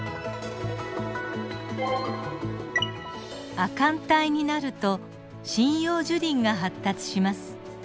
亜寒帯になると針葉樹林が発達します。